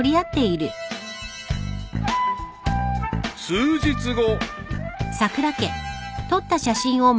［数日後］